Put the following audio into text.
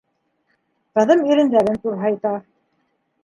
Ҡыҙым ирендәрен турһайта.